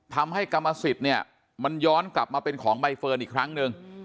ทำให้กรรมสิทธิ์เนี่ยมันย้อนกลับมาเป็นของใบเฟิร์นอีกครั้งหนึ่ง